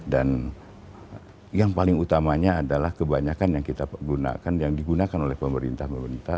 dan yang paling utamanya adalah kebanyakan yang kita gunakan yang digunakan oleh pemerintah pemerintah